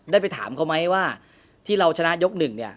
ได้ไปถามเขาไหมว่าที่เราชนะยกหนึ่งเนี่ย